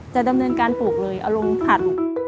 จะดำเนินการปลูกเลยเอาลงผัด